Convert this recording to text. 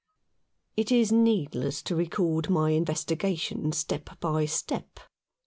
It is needless to record my investigation step by step.